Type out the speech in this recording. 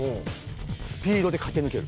スピードでかけぬける。